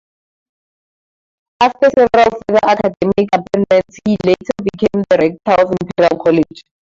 After several further academic appointments, he later became the Rector of Imperial College.